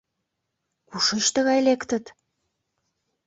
Кушеч тыгай лектыт?!